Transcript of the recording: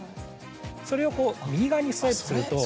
それを右側にスワイプすると。